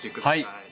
はい。